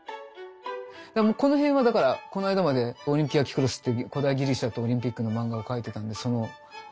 この辺はだからこの間まで「オリンピア・キュクロス」っていう古代ギリシャとオリンピックの漫画を描いてたんでその資料本ですけど。